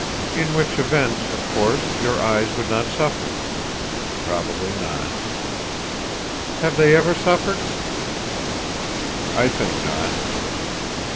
"In which event, of course, your eyes would not suffer." "Probably not." "Have they ever suffered?" "I think not."